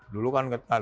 dulu kan ketat